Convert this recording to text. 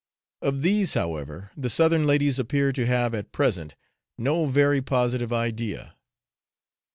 Of these, however, the southern ladies appear to have, at present, no very positive idea.